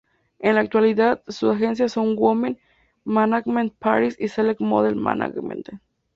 En la actualidad, sus agencias son Women Management Paris y Select Model Management.